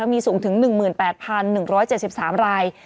มีสูงถึง๑๘๑๗๓ราย